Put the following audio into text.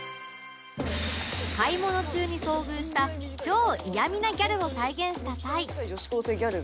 買い物中に遭遇した超嫌みなギャルを再現した際